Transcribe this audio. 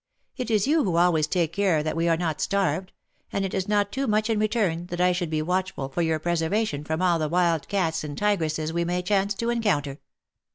It is you who always take care that we are not starved, and it is not too much in return that I should be watchful for your preservation from all the wild cats and tigresses we may chance to encounter."